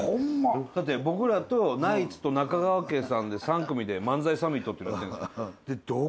だって僕らとナイツと中川家さんで３組で漫才サミットっていうのやってるんですけど。